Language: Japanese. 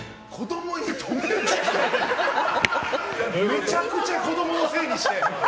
めちゃくちゃ子供のせいにして。